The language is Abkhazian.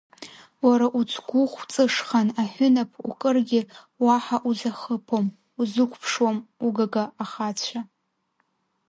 Уара уцгәы хәҵышхан аҳәынаԥукыргьы, уаҳа узахыԥом, узықәԥшуам угага ахацәа.